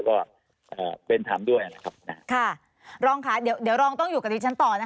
เราก็ต้องอยู่กับคุณข้าตอนนะคะ